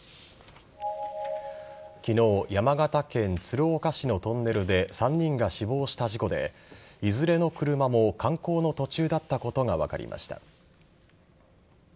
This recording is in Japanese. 昨日山形県鶴岡市のトンネルで３人が死亡した事故でいずれの車も観光の途中だったことが分かりました。